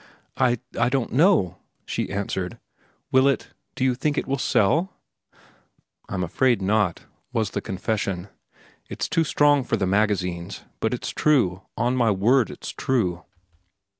"I—I don't know," she, answered. "Will it—do you think it will sell?" "I'm afraid not," was the confession. "It's too strong for the magazines. But it's true, on my word it's true."